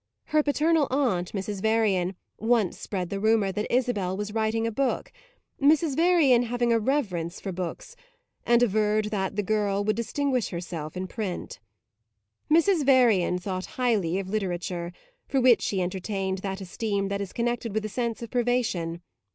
Her paternal aunt, Mrs. Varian, once spread the rumour that Isabel was writing a book Mrs. Varian having a reverence for books, and averred that the girl would distinguish herself in print. Mrs. Varian thought highly of literature, for which she entertained that esteem that is connected with a sense of privation.